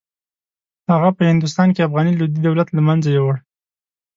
هغه په هندوستان کې افغاني لودي دولت له منځه یووړ.